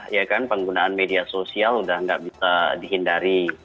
ya kan penggunaan media sosial udah nggak bisa dihindari